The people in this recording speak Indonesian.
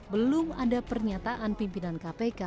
belum ada pernyataan pimpinan kpk